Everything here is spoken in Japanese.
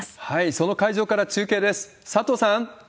その会場から中継です。